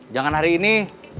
jangan hari ini